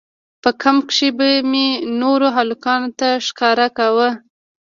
په کمپ کښې به مې نورو هلکانو ته ښکاره کاوه.